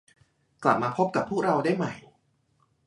กลับมาพบกับพวกเราได้ใหม่